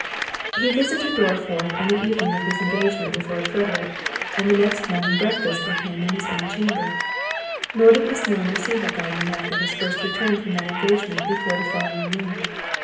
He visited Dorriforth on the evening of his engagement with Lord Frederick, and the next morning breakfasted with him in his own chamber; nor did Miss Milner see her guardian after his first return from that engagement before the following noon.